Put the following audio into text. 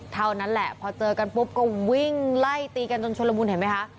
เท่านั้นแหละพอเจอกันปุ๊บก็วิ่งไล่ตีกันจนชนละมุนเห็นไหมคะ